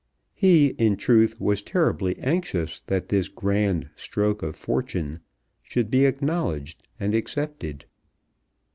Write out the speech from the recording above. He, in truth, was terribly anxious that this grand stroke of fortune should be acknowledged and accepted.